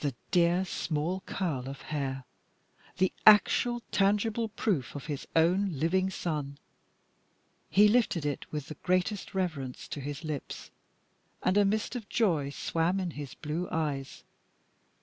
The dear small curl of hair! The actual, tangible proof of his own living son. He lifted it with the greatest reverence to his lips, and a mist of joy swam in his blue eyes.